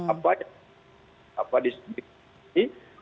apa yang disediakan